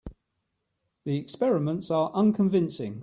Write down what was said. The experiments are unconvincing.